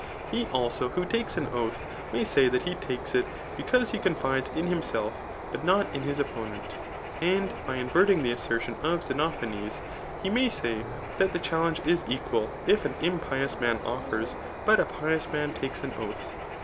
He also who tsdtes an: oath may say that he takes it, because he coxk* fides in himself, but not in his opponent. And by inverting the assertion of Xenophanes he may say, diat die challenge is equal, if an mipious man offers, but a pious mhn takes an oath.